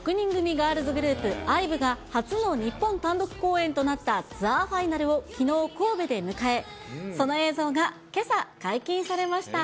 ガールズグループ、ＩＶＥが初の日本単独公演となったツアーファイナルをきのう神戸で迎え、その映像がけさ、解禁されました。